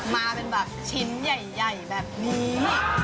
มาเป็นแบบชิ้นใหญ่แบบนี้